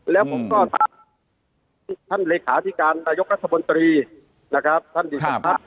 แล้วผมก็ถามท่านเหลศาสตรีการระยกรัฐบนตรีท่านดิฉันภัทร